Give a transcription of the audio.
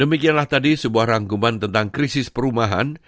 demikianlah tadi sebuah rangkuman tentang krisis perumahan